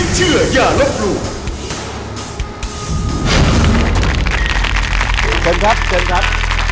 เชิญครับ